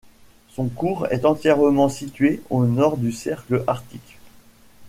Son cours est entièrement situé au nord du Cercle Arctique.